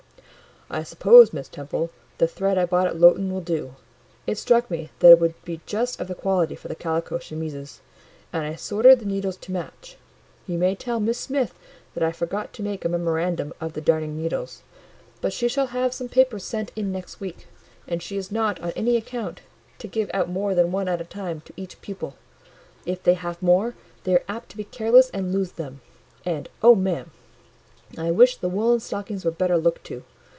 "I suppose, Miss Temple, the thread I bought at Lowton will do; it struck me that it would be just of the quality for the calico chemises, and I sorted the needles to match. You may tell Miss Smith that I forgot to make a memorandum of the darning needles, but she shall have some papers sent in next week; and she is not, on any account, to give out more than one at a time to each pupil: if they have more, they are apt to be careless and lose them. And, O ma'am! I wish the woollen stockings were better looked to!